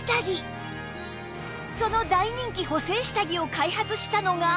その大人気補整下着を開発したのが